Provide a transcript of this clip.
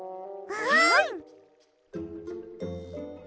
はい！